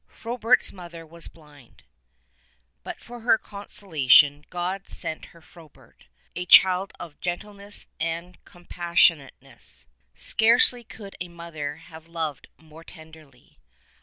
P ROBERT'S mother was blind. But for her consolation A God sent her Frobert, a child of gentleness and of com passionateness. Scarcely could a mother have been loved more tenderly.